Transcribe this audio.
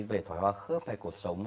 về thoải hoa khớp hay cột sống